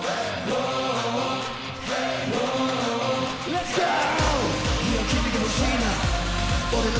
レッツゴー！